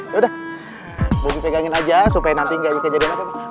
yaudah bobi pegangin aja supaya nanti nggak kejadian apa apa